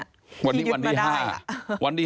ที่ยึดมาได้วันนี้วันที่๕